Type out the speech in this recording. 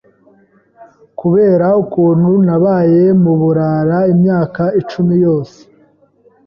kubera ukuntu nabaye mu burara imyaka icumi yose